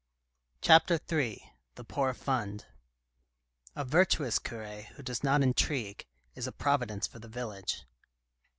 CHAPTER III THE POOR FUND A virtuous cure who does not intrigue is a providence for the village.